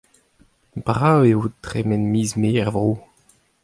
Brav e vo tremen miz Mae er vro.